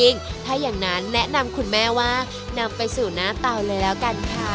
นำไปสู่หน้าเตาเลยแล้วกันค่ะ